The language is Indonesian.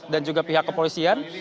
dan juga pihak kepolisian